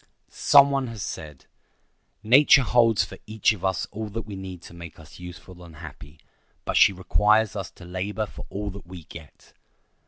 Some one has said, "Nature holds for each of us all that we need to make us useful and happy; but she requires us to labor for all that we get."